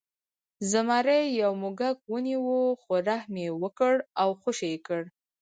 زمري یو موږک ونیو خو رحم یې وکړ او خوشې یې کړ.